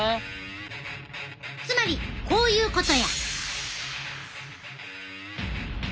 つまりこういうことや！